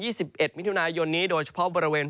สิบเอ็ดมิถุนายนนี้โดยเฉพาะบริเวณ